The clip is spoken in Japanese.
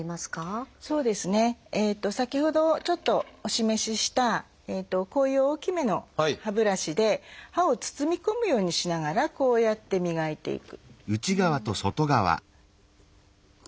そうですね先ほどちょっとお示ししたこういう大きめの歯ブラシで歯を包み込むようにしながらこうやって磨いていく。